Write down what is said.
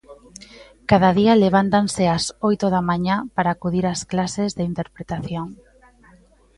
Cada día levántanse ás oito da mañá para acudir ás clases de interpretación.